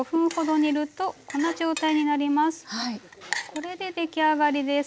これで出来上がりです。